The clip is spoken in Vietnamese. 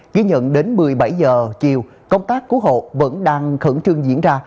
ghi nhận đến một mươi bảy h chiều công tác cứu hộ vẫn đang khẩn trương diễn ra